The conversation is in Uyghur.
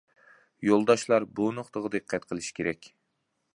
يولداشلار بۇ نۇقتىغا دىققەت قىلىشى كېرەك.